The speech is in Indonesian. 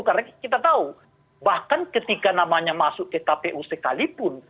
karena kita tahu bahkan ketika namanya masuk ke kpu sekalipun